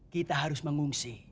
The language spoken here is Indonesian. kita harus mengungsi